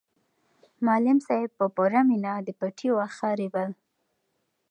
معلم صاحب په پوره مینه د پټي واښه رېبل.